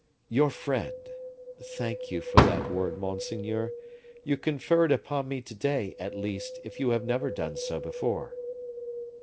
"Your friend! thank you for that word, monseigneur; you confer it upon me to day, at least, if you have never done so before."